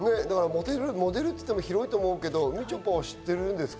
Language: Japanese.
モデルっていっても広いと思うけど、みちょぱは知ってるんですか？